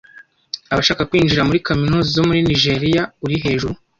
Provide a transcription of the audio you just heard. abashaka kwinjira muri kaminuza zo muri Nijeriya uri hejuru